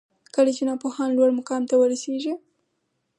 کله چي ناپوهان لوړ مقام ته ورسیږي